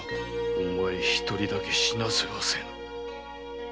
お前一人だけ死なせはせぬ。